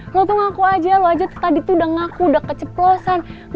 lo tuh ngaku aja lo aja tadi tuh udah ngaku udah keceplosan